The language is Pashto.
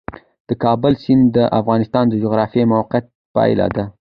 د کابل سیند د افغانستان د جغرافیایي موقیعت پایله ده.